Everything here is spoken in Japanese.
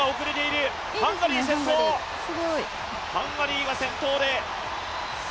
ハンガリーが先頭です。